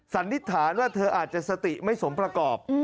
สันนิษฐานว่าเธออาจจะสติไม่สมประกอบ